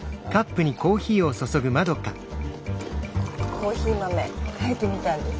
コーヒー豆かえてみたんです。